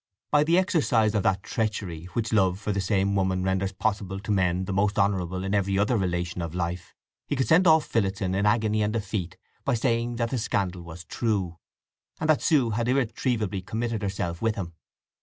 By the exercise of that treachery which love for the same woman renders possible to men the most honourable in every other relation of life, he could send off Phillotson in agony and defeat by saying that the scandal was true, and that Sue had irretrievably committed herself with him.